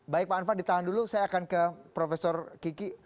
baik pak anwar ditahan dulu saya akan ke prof kiki